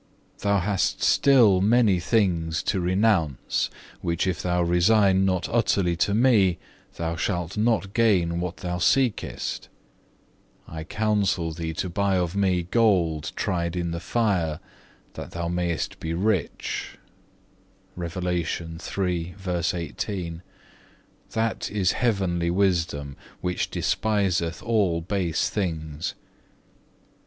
Thou hast still many things to renounce, which if thou resign not utterly to Me, thou shalt not gain what thou seekest. I counsel thee to buy of Me gold tried in the fire, that thou mayest be rich,(1) that is heavenly wisdom, which despiseth all base things.